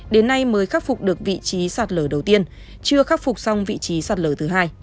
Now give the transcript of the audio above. đến nay mới khắc phục được vị trí sạt lở đầu tiên chưa khắc phục xong vị trí sạt lở thứ hai